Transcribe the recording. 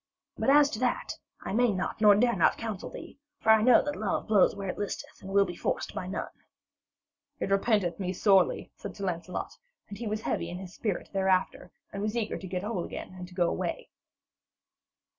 But as to that, I may not nor dare not counsel thee. For I know that love blows where it listeth and will be forced by none.' 'It repenteth me sorely,' said Sir Lancelot, and he was heavy in spirit thereafter, and was eager to get whole again and to go away.